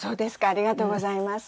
ありがとうございます。